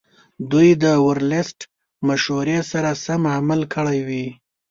دوی د ورلسټ مشورې سره سم عمل کړی وي.